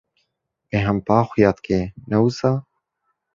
Bêhempa xuya dike, ne wisa?